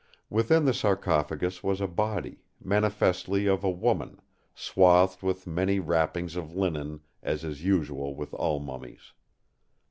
"Within the sarcophagus was a body, manifestly of a woman, swathed with many wrappings of linen, as is usual with all mummies.